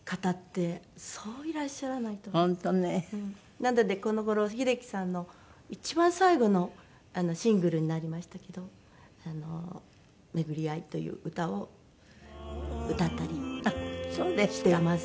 なのでこの頃秀樹さんの一番最後のシングルになりましたけど『めぐりい』という歌を歌ったりしています。